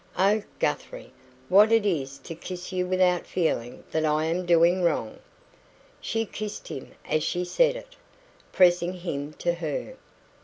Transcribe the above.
Oh, Guthrie, what it is to kiss you without feeling that I am doing wrong!" She kissed him as she said it, pressing him to her.